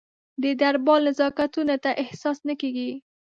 د دربار نزاکتونه ته احساس نه کېږي.